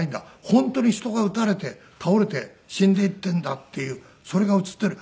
本当に人が撃たれて倒れて死んでいってるんだっていうそれが映ってる。